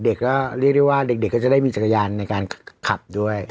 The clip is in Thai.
เด็กก็เรียกได้ว่าเด็กก็จะได้มีจักรยานในการขับด้วย